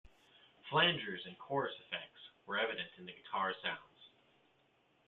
Flangers and chorus effects were evident in the guitar sounds.